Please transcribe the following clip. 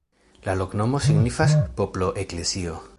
La loknomo signifas poplo-eklezio.